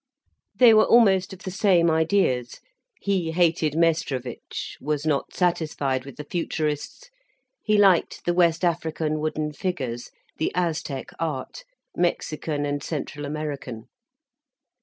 They were almost of the same ideas. He hated Mestrovic, was not satisfied with the Futurists, he liked the West African wooden figures, the Aztec art, Mexican and Central American.